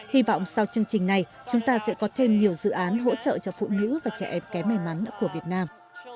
hy vọng sau chương trình này chúng ta sẽ có thêm nhiều dự án hỗ trợ cho phụ nữ và trẻ em kém may mắn của việt nam